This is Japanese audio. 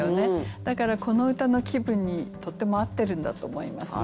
だからこの歌の気分にとっても合ってるんだと思いますね。